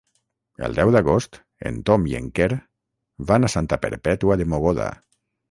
El deu d'agost en Tom i en Quer van a Santa Perpètua de Mogoda.